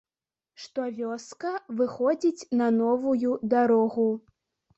Што вёска выходзіць на новую дарогу.